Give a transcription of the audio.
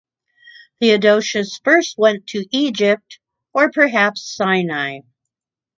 Theodosius first went to Egypt or perhaps Sinai.